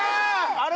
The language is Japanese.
あれ？